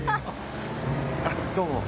あっどうも。